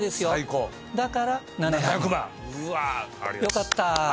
よかった。